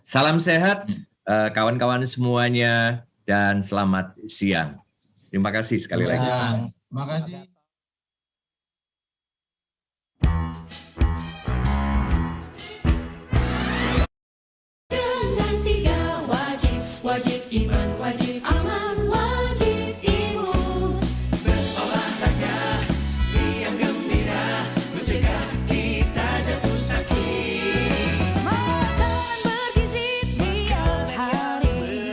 salam sehat kawan kawan semuanya dan selamat siang